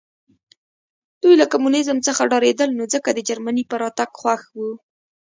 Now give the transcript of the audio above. دوی له کمونیزم څخه ډارېدل نو ځکه د جرمني په راتګ خوښ وو